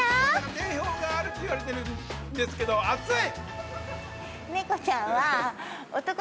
定評があるっていわれてるんですけど熱い！